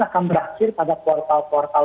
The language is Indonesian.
akan berakhir pada kuartal kuartal